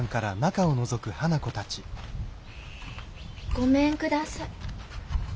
ごめんください。